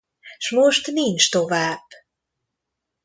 S most nincs tovább!